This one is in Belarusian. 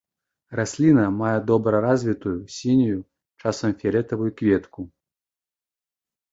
Расліна мае добра развітую сінюю, часам фіялетавую, кветку.